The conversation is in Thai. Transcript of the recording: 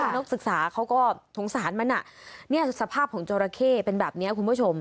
นักศึกษาเขาก็สงสารมันสภาพของจอราเข้เป็นแบบนี้คุณผู้ชม